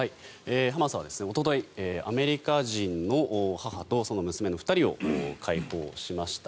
ハマスはおとといアメリカ人の母とその娘の２人を解放しました。